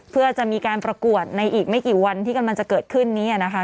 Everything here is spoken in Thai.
เพื่อจะมีการประกวดในอีกไม่กี่วันที่กำลังจะเกิดขึ้นนี้นะคะ